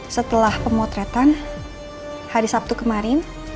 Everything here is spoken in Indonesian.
setelah pemotretan hari sabtu kemarin